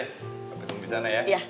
tapi tunggu di sana ya